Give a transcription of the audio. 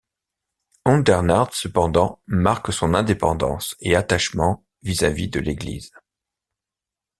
Ondernard cependant marque son indépendance et attachement vis-à-vis de l’Église.